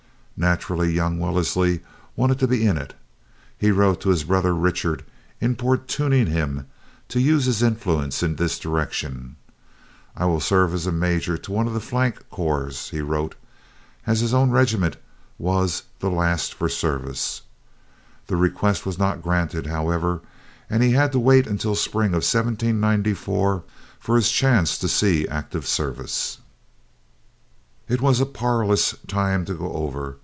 Naturally, young Wellesley wanted to be in it. He wrote to his brother Richard importuning him to use his influence in this direction. "I will serve as major to one of the flank corps," he wrote, as his own regiment was "the last for service." The request was not granted, however, and he had to wait until the Spring of 1794 for his chance to see active service. It was a parlous time to go over.